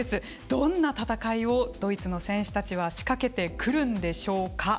どんな戦いをドイツの選手たちは仕掛けてくるんでしょうか。